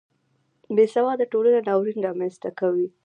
بې سواده ټولنه ناورین رامنځته کوي